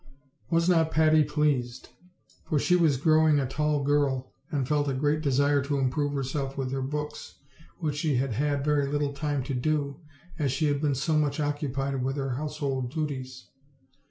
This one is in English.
Was not Patty pleased! for she was growing a tall girl, &nd felt a great desire to improve herself with her books, which she had had very little time to do, as she had been so much occupied with her household duties.